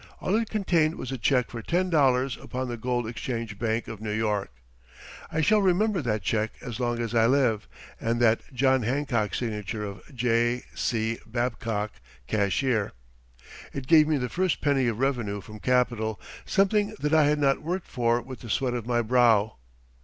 All it contained was a check for ten dollars upon the Gold Exchange Bank of New York. I shall remember that check as long as I live, and that John Hancock signature of "J.C. Babcock, Cashier." It gave me the first penny of revenue from capital something that I had not worked for with the sweat of my brow.